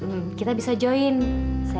ma boleh sih